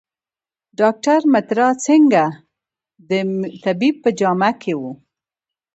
ډاکټر مترا سینګه د طبیب په جامه کې و.